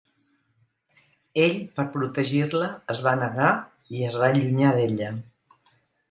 Ell per protegir-la es va negar i es va allunyar d'ella.